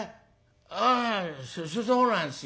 ああそうなんですよ。